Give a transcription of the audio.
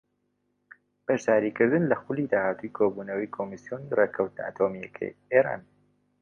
بەشداریکردن لە خولی داهاتووی کۆبوونەوەی کۆمسیۆنی ڕێککەوتنە ئەتۆمییەکەی ئێران